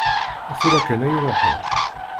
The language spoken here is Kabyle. Tura kan ay ruḥen.